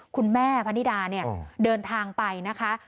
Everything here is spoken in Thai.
คุณแม่พนิดาเนี่ยเดินทางไปนะคะ